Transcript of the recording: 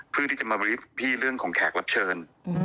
เพื่อที่จะมาบรีกพี่เรื่องของแขกรับเชิญ